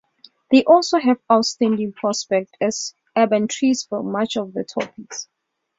They also have outstanding prospects as urban trees for much of the tropics.